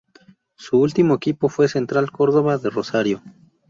Su último equipo fue Central Córdoba de Rosario.